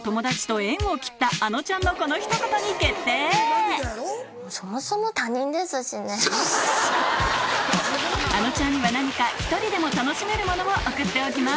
今回はあのちゃんには何か１人でも楽しめるものを送っておきます